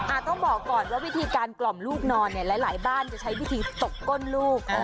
ต้องบอกก่อนว่าวิธีการกล่อมลูกนอนเนี่ยหลายบ้านจะใช้วิธีตกก้นลูก